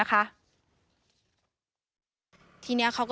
ไลน์ขอความช่วยเหลือจากเพื่อนฟังเสียหายดูนะคะ